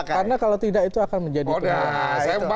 karena kalau tidak itu akan menjadi penyakit